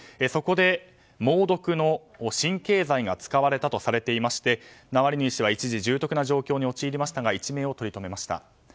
そこで猛毒の神経剤が使われたとされていましてナワリヌイ氏は一時重篤な状況に陥りましたが一命をとりとめました。